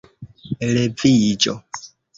Leviĝo!